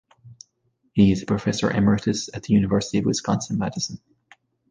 He is a professor emeritus at the University of Wisconsin-Madison.